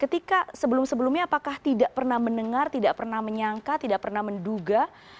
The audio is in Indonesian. ketika sebelum sebelumnya apakah tidak pernah mendengar tidak pernah menyangka tidak pernah menduga